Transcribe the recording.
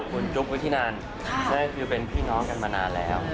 เป็นคนจุ๊กด้วยที่นานใช่คือเป็นพี่น้องกันมานานแล้ว